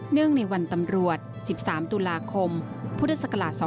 เนื่องในวันตำรวจ๑๓ตุลาคมพศ๒๔๙๕